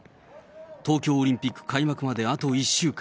東京オリンピック開幕まであと１週間。